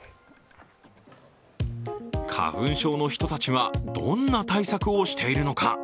花粉症の人たちは、どんな対策をしているのか。